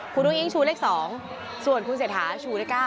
คุณอุ้งอิงชูเลข๒ส่วนคุณเศรษฐาชูเลข๙